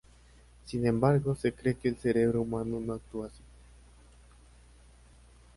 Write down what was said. Sin embargo, se cree que el cerebro humano no actúa así.